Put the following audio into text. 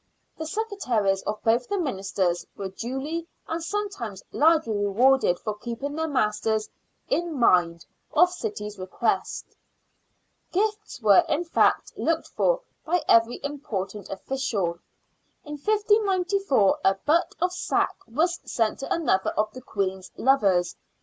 The secretaries of both the ministers were duly and sometimes largely rewarded for keeping their masters " in mind " of the city's request. Gifts were, in fact, looked for by every important official. In 1594 a butt of sack was sent to another of the Queen's lovers.